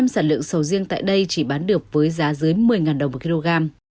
tám mươi sản lượng sầu riêng tại đây chỉ bán được với giá dưới một mươi đồng một kg